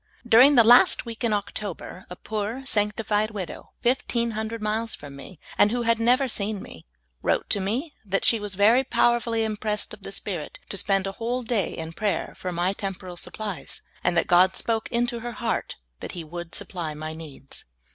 During the last week in October, a poor, sanctified widow fifteen hundred miles from me, and who had never seen me, wTote to me that she was very power full}' im pressed of the Spirit to spend a whole day in prayer^ for m}' temporal supplies, and that God spoke into her heart that He would supply my needs.